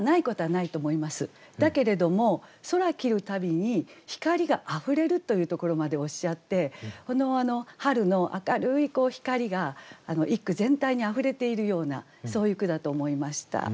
だけれども空切るたびに光があふれるというところまでおっしゃって春の明るい光が一句全体にあふれているようなそういう句だと思いました。